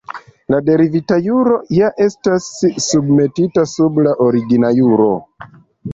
La derivita juro ja estas submetita sub la origina juro.